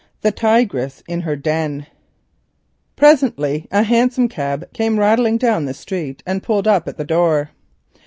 THE TIGRESS IN HER DEN Presently a hansom cab came rattling down the street and pulled up at the door.